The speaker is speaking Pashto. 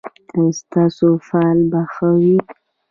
ایا ستاسو فال به ښه وي؟